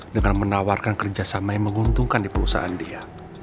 dengan menawarkan kerjasama yang menguntungkan di perusahaan dia